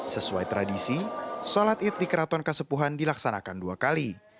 sesuai tradisi sholat id di keraton kasepuhan dilaksanakan dua kali